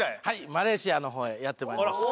マレーシアのほうへやってまいりました。